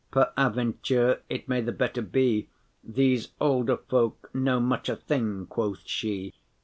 Paraventure it may the better be: These olde folk know muche thing.” quoth she.